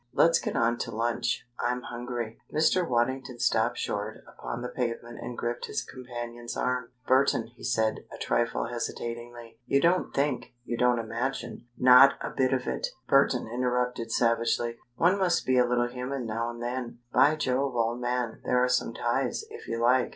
Let's get on to lunch. I'm hungry." Mr. Waddington stopped short upon the pavement and gripped his companion's arm. "Burton," he said, a trifle hesitatingly, "you don't think you don't imagine " "Not a bit of it!" Burton interrupted, savagely. "One must be a little human now and then. By Jove, old man, there are some ties, if you like!